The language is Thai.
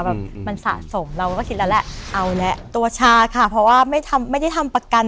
แบบมันสะสมเราก็คิดแล้วแหละเอาแล้วตัวชาค่ะเพราะว่าไม่ทำไม่ได้ทำประกัน